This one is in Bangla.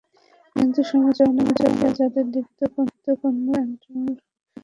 কিন্তু সমাজে অনেকেই আছে, যাদের লিখিত কোনো টার্মস অ্যান্ড কন্ডিশন নেই।